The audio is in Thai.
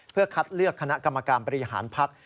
เพื่อคัดเลือกคณะกรรมการบริหารพัก